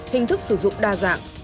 hình thức sử dụng đa dạng